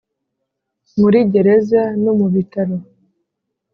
Muri gereza no mu bitaro